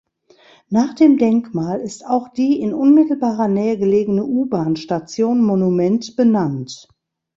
Nach dem Denkmal ist auch die in unmittelbarer Nähe gelegene U-Bahn-Station Monument benannt.